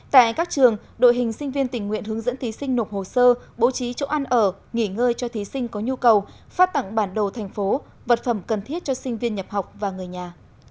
tại các trường đội hình sinh viên tình nguyện hướng dẫn thí sinh nộp hồ sơ bố trí chỗ ăn ở nghỉ ngơi cho thí sinh có nhu cầu phát tặng bản đồ thành phố vật phẩm cần thiết cho sinh viên nhập học và người nhà